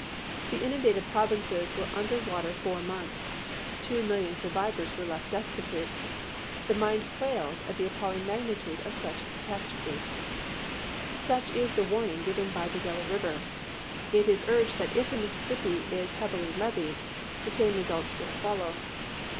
The inundated provinces were under water four months. Two million survivors were left destitute. The mind quails at the appalling magnitude of such a catastrophe. Such is the warning given by the Yellow River. It is urged that if the Mississippi is heavily leveed, the same results will follow.